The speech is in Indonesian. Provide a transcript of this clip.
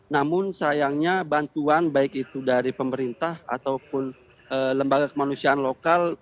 namun sayangnya bantuan baik itu dari pemerintah ataupun lembaga kemanusiaan lokal